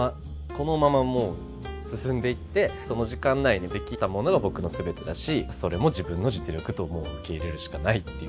このままもう進んでいってその時間内にできたものが僕のすべてだしそれも自分の実力ともう受け入れるしかないっていう。